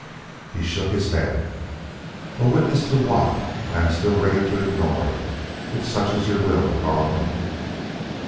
He shook his head. "A witness to what I am still ready to ignore, if such is your will, Carleton."